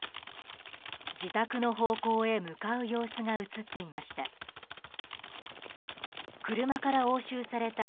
自宅の方向へ向かう様子が映っていました。